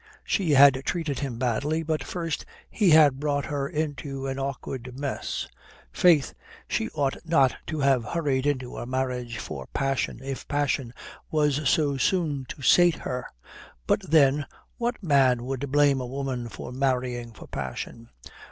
She had treated him badly, but, first, he had brought her into an awkward mess. Faith, she ought not to have hurried into a marriage for passion if passion was so soon to sate her. But then, what man would blame a woman for marrying for passion?